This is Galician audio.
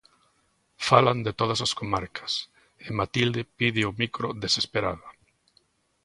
Falan de todas as comarcas e Matilde pide o micro desesperada.